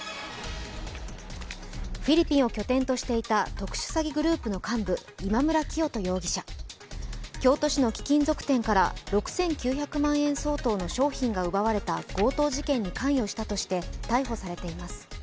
フィリピンを拠点としていた特殊詐欺グループの幹部、今村磨人容疑者京都市の貴金属店から６９００万円相当の商品が奪われた強盗事件に関与したとして逮捕されています。